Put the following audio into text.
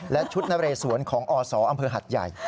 และชุดนเรสวนของอศอำเภอหัดใหญ่